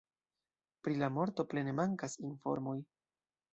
Pri la morto plene mankas informoj.